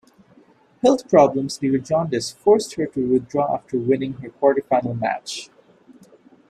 Health problems due to jaundice forced her to withdraw after winning her quarterfinal match.